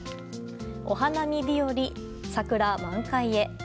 お花見日和、桜満開へ。